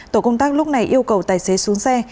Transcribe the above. tổ công tác lúc này yêu cầu tài xế xuống xe